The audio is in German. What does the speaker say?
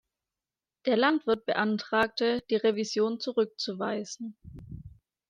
Der Landwirt beantragte, die Revision zurückzuweisen.